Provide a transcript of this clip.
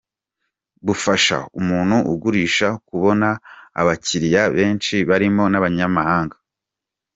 Bufasha umuntu ugurisha kubona abakiliya benshi barimo n’abanyamahanga.